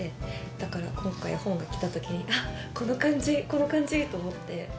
だから今回本が来た時にあっこの感じこの感じと思って。